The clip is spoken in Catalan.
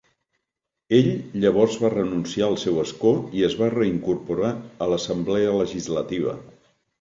Ell llavors va renunciar al seu escó i es va reincorporar a l'assemblea legislativa.